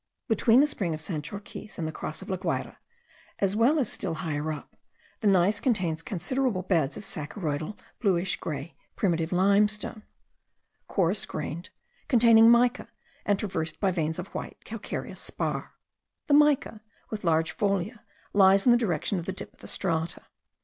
Between the spring of Sanchorquiz and the Cross of La Guayra, as well as still higher up, the gneiss contains considerable beds of saccharoidal bluish grey primitive limestone, coarse grained, containing mica, and traversed by veins of white calcareous spar. The mica, with large folia, lies in the direction of the dip of the strata.